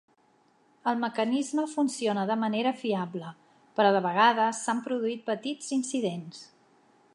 El mecanisme funciona de manera fiable, però de vegades s'han produït petits incidents.